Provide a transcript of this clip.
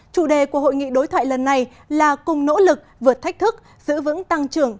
chủ đề của hội nghị đối thoại lần này là cùng nỗ lực vượt thách thức giữ vững tăng trưởng